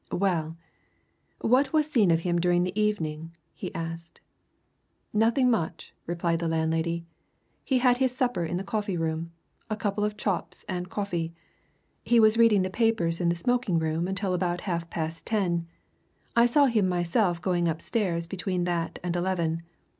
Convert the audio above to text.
"Well, what was seen of him during the evening!" he asked. "Nothing much," replied the landlady. "He had his supper in the coffee room a couple of chops and coffee. He was reading the papers in the smoking room until about half past ten; I saw him myself going upstairs between that and eleven.